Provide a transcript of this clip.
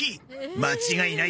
間違いない！